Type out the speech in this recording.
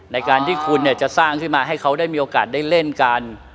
ในการที่คุณจะสร้างขึ้นมาให้เขาได้มีโอกาสได้เล่นกัน